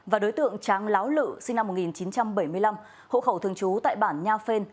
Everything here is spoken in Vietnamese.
và đối tượng tráng láo lự sinh năm một nghìn chín trăm bảy mươi năm hộ khẩu thường trú tại bản nha phên